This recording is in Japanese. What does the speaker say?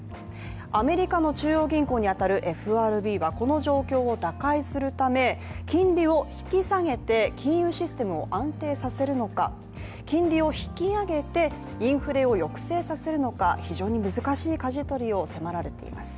アメリカの中央銀行に当たるＦＲＢはこの状況を打開するため金利を引き下げて金融システムを安定させるのか、金利を引き上げて、インフレを抑制させるのか非常に難しいかじ取りを迫られています。